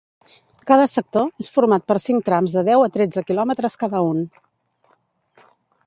Cada sector és format per cinc trams de deu a tretze quilòmetres cada un.